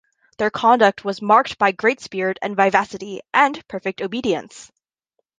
Their conduct was marked by great spirit and vivacity, and perfect obedience.